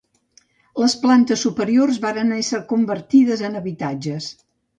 Les plantes superiors varen ésser convertides en habitatges.